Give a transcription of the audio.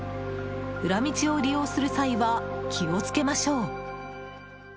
裏道を利用する際は気をつけましょう。